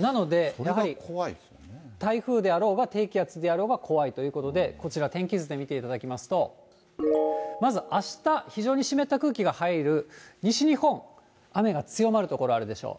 なので、やはり台風であろうが、低気圧であろうが怖いということで、こちら、天気図で見ていただきますと、まずあした、非常に湿った空気が入る西日本、雨が強まる所あるでしょう。